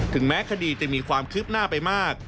แม้คดีจะมีความคืบหน้าไปมาก